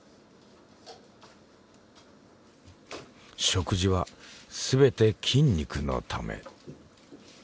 食事は全て筋肉のため。